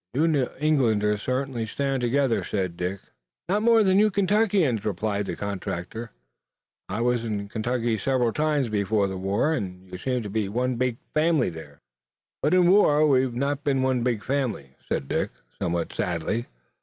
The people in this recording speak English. "You New Englanders certainly stand together," said Dick. "Not more than you Kentuckians," replied the contractor. "I was in Kentucky several times before the war, and you seemed to be one big family there." "But in the war we've not been one big family," said Dick, somewhat sadly.